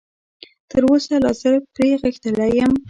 تراوسه لا زه پرې غښتلی یم.